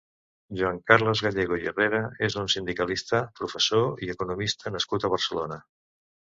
Joan Carles Gallego i Herrera és un sindicalista, professor i economista nascut a Barcelona.